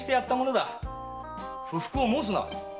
不服を申すな。